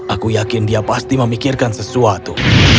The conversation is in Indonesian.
aku yakin dia pasti memikirkan sesuatu